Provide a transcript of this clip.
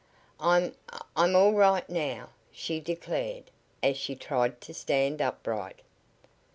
"I'm I'm all right now," she declared as she tried to stand upright.